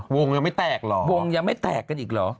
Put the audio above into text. ยังไม่แตกเหรอวงยังไม่แตกกันอีกเหรอ